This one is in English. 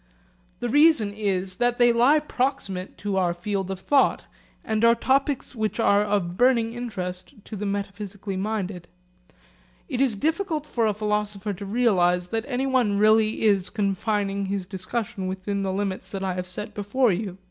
The reason is that they lie proximate to our field of thought, and are topics which are of burning interest to the metaphysically minded. It is difficult for a philosopher to realise that anyone really is confining his discussion within the limits that I have set before you.